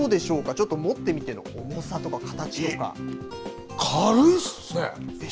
ちょっと持ってみての重さとか、軽いっすね。